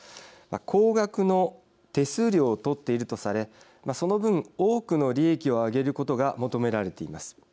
高額の手数料を取っているとされその分多くの利益を上げることが求められています。